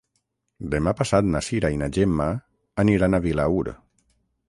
Demà passat na Cira i na Gemma aniran a Vilaür.